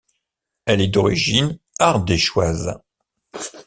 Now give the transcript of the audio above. Elle est d'origine ardéchoise.